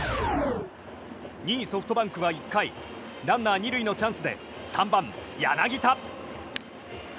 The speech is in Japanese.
２位ソフトバンクは１回ランナー２塁のチャンスで３番、柳田。